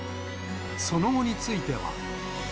その後については。